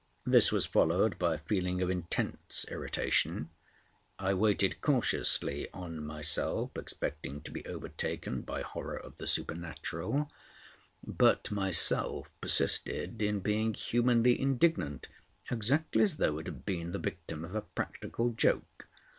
This was followed by a feeling of intense irritation. I waited cautiously on myself, expecting to be overtaken by horror of the supernatural, but my self persisted in being humanly indignant, exactly as though it had been the victim of a practical joke.